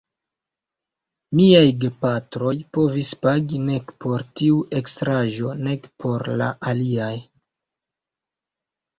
Miaj gepatroj povis pagi nek por tiu ekstraĵo, nek por la aliaj.